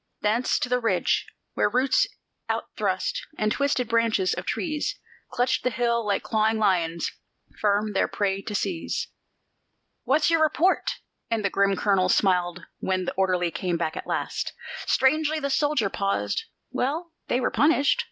Thence to the ridge, where roots out thrust, and twisted branches of trees Clutched the hill like clawing lions, firm their prey to seize. "What's your report?" and the grim colonel smiled when the orderly came back at last. Strangely the soldier paused: "Well, they were punished."